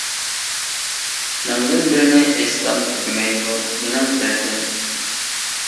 مىڭدىن بىرىنى ئېيتسام، تۈگىمەيدۇ، مېنىڭ دەردىم.